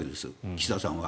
岸田さんは。